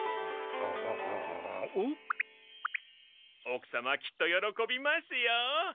おくさまきっとよろこびますよ。